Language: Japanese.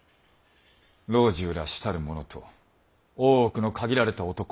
老中ら主たる者と大奥の限られた男のみ。